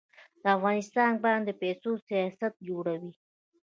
د افغانستان بانک د پیسو سیاست جوړوي